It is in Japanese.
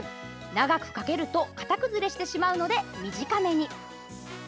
長くかけると型崩れしてしまうので短めに！